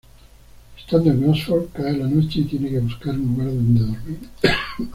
Estando en Oxford cae la noche y tiene que buscar un lugar donde dormir.